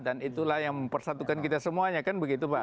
dan itulah yang mempersatukan kita semuanya kan begitu pak